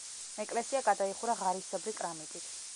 ეკლესია გადაიხურა ღარისებრი კრამიტით.